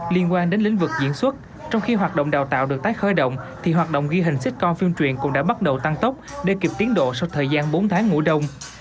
liên quan đến lĩnh vực diễn xuất trong khi hoạt động đào tạo được tái khởi động thì hoạt động ghi hình sitcom phim truyền cũng đã bắt đầu tăng tốc để kịp tiến độ sau thời gian bốn tháng ngủ đông